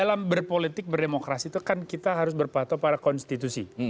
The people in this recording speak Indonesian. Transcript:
dalam berpolitik berdemokrasi itu kan kita harus berpatok pada konstitusi